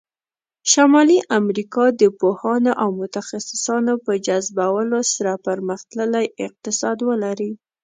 شمالي امریکا د پوهانو او متخصصانو په جذبولو سره پرمختللی اقتصاد ولری.